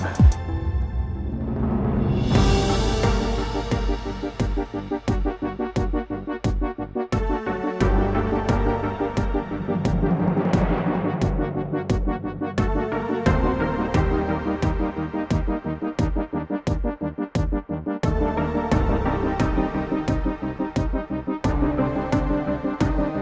kamu jangan tinggalin mama ya